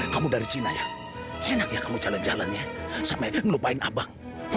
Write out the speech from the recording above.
kamu dari cina ya enaknya kamu jalan jalannya sampai lupain abang